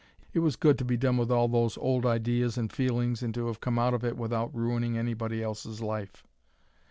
It was good to be done with all those old ideas and feelings and to have come out of it without ruining anybody else's life.